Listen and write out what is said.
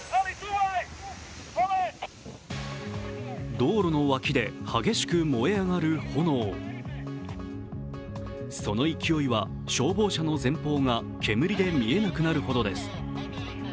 道路の脇で、激しく燃え上がる炎その勢いは消防車の前方が煙で見えなくなるほどです。